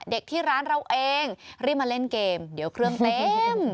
ที่ร้านเราเองรีบมาเล่นเกมเดี๋ยวเครื่องเต็ม